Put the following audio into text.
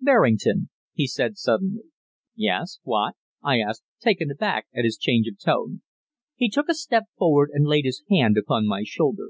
"Berrington," he said suddenly. "Yes? What?" I asked, taken aback at his change of tone. He took a step forward and laid his hand upon my shoulder.